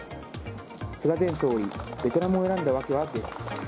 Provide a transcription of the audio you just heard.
菅前総理ベトナムを選んだわけはです。